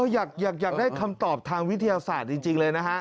อยากได้คำตอบทางวิทยาศาสตร์จริงเลยนะฮะ